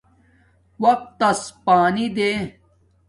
وقت تس پانی دے